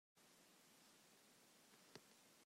Please wait a moment while I am investigating the issue.